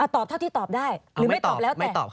ตอบเท่าที่ตอบได้หรือไม่ตอบแล้วแต่